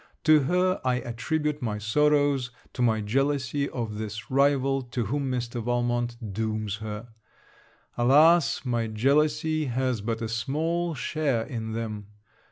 To her I attribute my sorrows to my jealousy of this rival, to whom Mr. Valmont dooms her. Alas, my jealousy has but a small share in them.